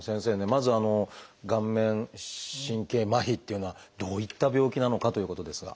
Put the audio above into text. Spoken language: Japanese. まず顔面神経麻痺っていうのはどういった病気なのかということですが。